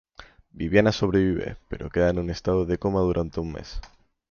Viviana sobrevive, pero queda en estado de coma durante un mes.